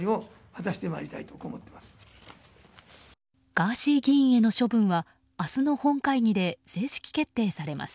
ガーシー議員への処分は明日の本会議で正式決定されます。